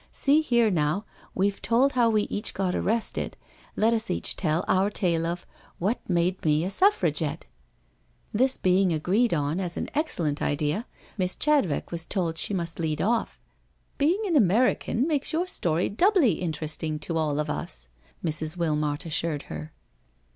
See here, now, we've told how we each got arrested, let us each tell our tale of ' What made me a Suffragette.' '* This being agreed on as an excellent idea. Miss Chadwick was told she must lead off. " Being an American makes your story doubly interesting to all of us," Mrs. Wilmot assured her.